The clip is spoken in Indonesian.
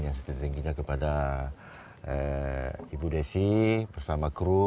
yang setingginya kepada ibu desi bersama kru